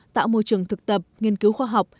tạo môi trường thực tập nghiên cứu khoa học